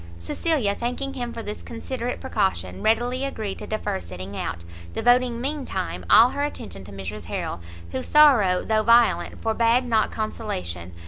Cecilia, thanking him for this considerate precaution, readily agreed to defer setting out; devoting, mean time, all her attention to Mrs Harrel, whose sorrow, though violent, forbad not consolation.